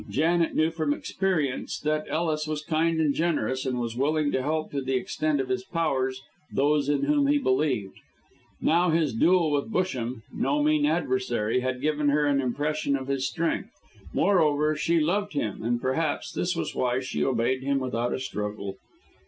Janet knew from experience that Ellis was kind and generous, and was willing to help to the extent of his powers those in whom he believed; now his duel with Busham no mean adversary had given her an impression of his strength. Moreover, she loved him, and perhaps this was why she obeyed him without a struggle.